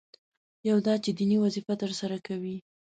یو دا چې دیني وظیفه ترسره کوي.